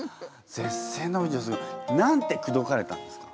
絶世の美女何て口説かれたんですか？